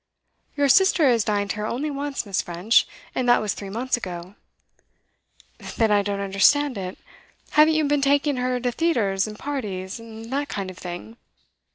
'Your sister has dined here only once, Miss. French, and that was three months ago.' 'Then I don't understand it. Haven't you been taking her to theatres, and parties, and that kind of thing?